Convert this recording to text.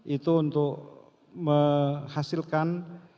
itu untuk menghasilkan